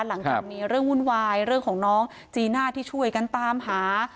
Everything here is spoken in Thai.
หลังจากมีเรื่องวุ่นวายเรื่องของน้องจีน่าที่ช่วยกันตามหา